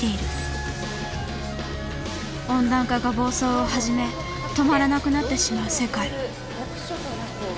温暖化が暴走を始め止まらなくなってしまう世界。